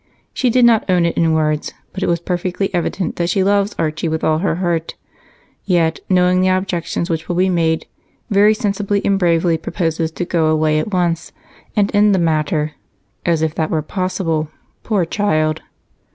She did not own it in words, but it was perfectly evident that she loves Archie with all her heart, yet, knowing the objections which will be made, very sensibly and bravely proposes to go away at once and end the matter as if that were possible, poor child."